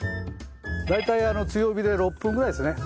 大体強火で６分ぐらいですね。